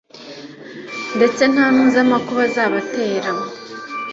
ndetse nta n’uzi amakuba azabatera